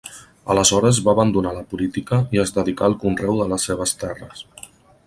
Aleshores va abandonar la política i es dedicà al conreu de les seves terres.